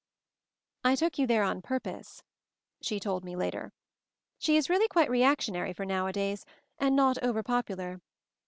"I took you there on purpose," she told me later. "She is really quite reactionary for nowadays, and not over popular.